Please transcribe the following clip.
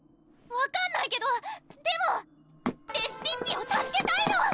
⁉分かんないけどでもレシピッピを助けたいの！